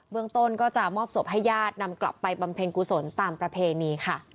เมืองต้นก็จะมอบศพให้ญาตินำกลับไปบำเพ็ญกุศลตามประเพณีค่ะ